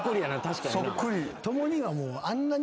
確かにな。